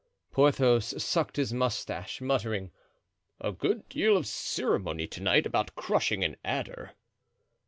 Porthos sucked his mustache, muttering, "A good deal of ceremony to night about crushing an adder."